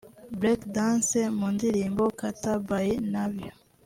Break dance mu ndirimbo Kata by Navio